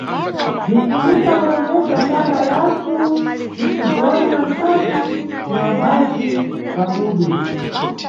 Bzinʼfunika kulongedza kama yathu ticigona nkati mwa bzazi bza mbudu.